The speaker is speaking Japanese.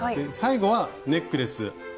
最後はネックレス。